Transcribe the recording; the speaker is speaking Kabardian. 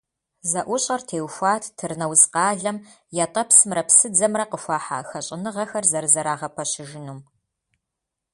ЗэӀущӀэр теухуат Тырныауз къалэм ятӀэпсымрэ псыдзэмрэ къыхуахьа хэщӀыныгъэхэр зэрызэрагъэпэщыжынум.